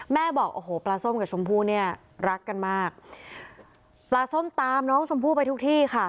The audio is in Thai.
บอกโอ้โหปลาส้มกับชมพู่เนี่ยรักกันมากปลาส้มตามน้องชมพู่ไปทุกที่ค่ะ